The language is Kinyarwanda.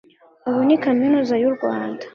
ubu ni kaminuza y'u Rwanda